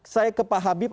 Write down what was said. saya ke pak habib